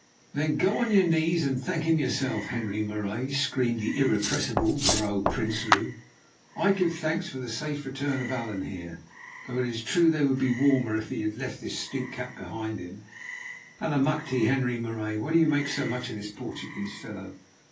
"Then go on your knees and thank Him yourself, Henri Marais," screamed the irrepressible Vrouw Prinsloo. "I give thanks for the safe return of Allan here, though it is true they would be warmer if he had left this stinkcat behind him. Allemachte! Henri Marais, why do you make so much of this Portuguese fellow?